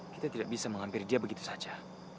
kita tidak bisa menghampiri dia begitu saja